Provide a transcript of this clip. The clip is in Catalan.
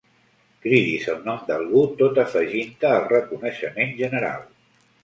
Cridis el nom d'algú tot afegint-te al reconeixement general.